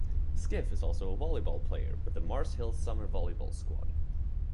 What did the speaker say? Skiff is also a volleyball player with the Mars Hill summer volleyball squad.